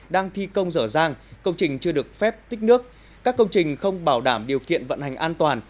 đang thi công dở dang công trình chưa được phép tích nước các công trình không bảo đảm điều kiện vận hành an toàn